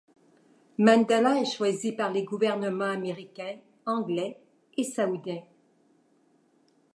Mandela est choisi par les gouvernements américain, anglais et saoudien.